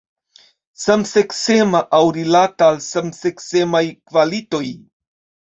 Samseksema aŭ rilata al samseksemaj kvalitoj.